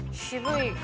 すごい。